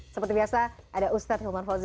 seperti biasa ada ustadz hilman fauzi